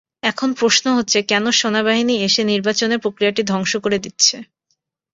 এখন প্রশ্ন হচ্ছে কেন সেনাবাহিনী এসে নির্বাচনের প্রক্রিয়াটি ধ্বংস করে দিচ্ছে?